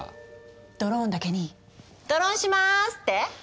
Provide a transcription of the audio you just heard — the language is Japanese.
ドローンだけに「ドロンします」って？